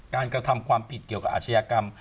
กระทำความผิดเกี่ยวกับอาชญากรรม